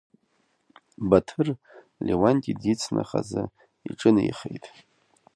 Баҭыр, Леуанти дицны, хазы иҿынеихеит.